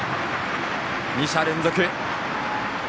２者連続。